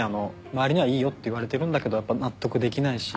周りにはいいよって言われてるんだけどやっぱ納得できないし。